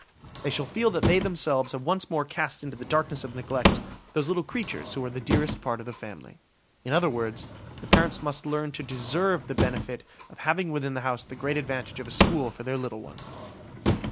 They shall feel that they themselves have once more cast into the darkness of neglect those little creatures who are the dearest part of the family. In other words, the parents must learn to deserve the benefit of having within the house the great advantage of a school for their little ones.